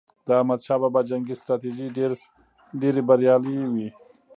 د احمد شاه بابا جنګي ستراتیژۍ ډېرې بریالي وي.